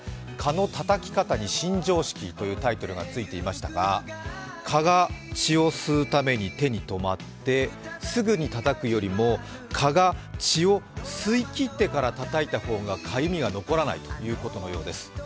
蚊のたたき方に新常識と出ていましたが蚊が血を吸うために手に止まってすぐにたたくよりも蚊が血を吸いきってからたたいた方がかゆみが残らないということのようです。